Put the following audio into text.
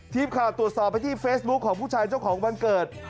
ทีมข่าวตรวจสอบไปที่เฟซบุ๊คของผู้ชายเจ้าของวันเกิด